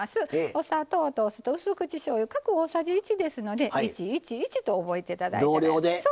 お砂糖と、うす口しょうゆ各大さじ１ですので１、１、１と覚えてください。